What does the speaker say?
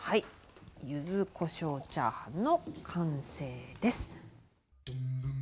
柚子こしょうチャーハンの完成です。